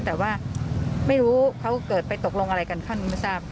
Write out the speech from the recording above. แต่ว่าไม่รู้เขาเกิดไปตกลงอะไรกันขั้นนี้ไม่ทราบ